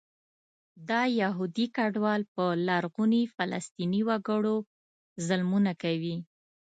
دا یهودي کډوال په لرغوني فلسطیني وګړو ظلمونه کوي.